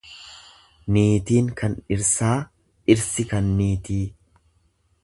Niitiin kan dhirsaa, dhirsi kan niitii.